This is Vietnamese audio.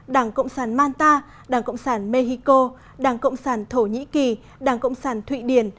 đảng cộng sản manta đảng cộng sản mexico đảng cộng sản thổ nhĩ kỳ đảng cộng sản thụy điển